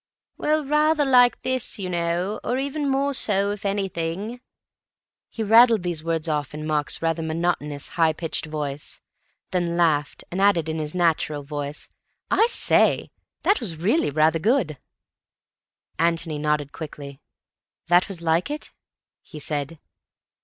"Well, rather like this, you know, or even more so if anything." He rattled these words off in Mark's rather monotonous, high pitched voice, and then laughed, and added in his natural voice, "I say, that was really rather good." Antony nodded quickly. "That was like it?" he said.